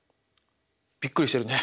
びっくりしてるね。